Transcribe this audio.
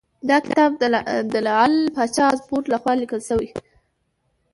دا کتاب د لعل پاچا ازمون لخوا لیکل شوی .